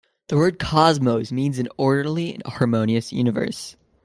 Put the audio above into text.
The word "cosmos" means an orderly and harmonious universe.